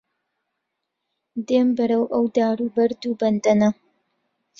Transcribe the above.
دێم بەرەو ئەو دار و بەرد و بەندەنە